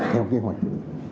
theo kế hoạch